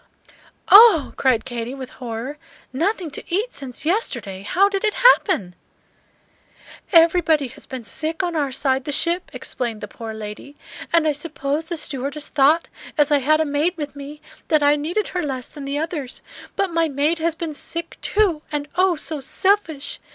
"Oh!" cried Katy, with horror, "nothing to eat since yesterday! How did it happen?" "Everybody has been sick on our side the ship," explained the poor lady, "and I suppose the stewardess thought, as I had a maid with me, that I needed her less than the others. But my maid has been sick, too; and oh, so selfish!